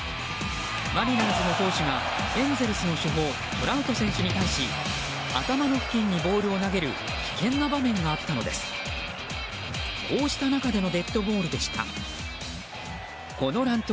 マリナーズの投手がエンゼルスの主砲トラウト選手に対し頭の付近にボールを投げる危険な場面があったのです。